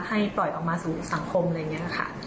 ปล่อยออกมาสู่สังคมอะไรอย่างนี้ค่ะ